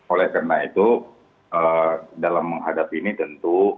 oleh karena itu dalam menghadapi ini tentu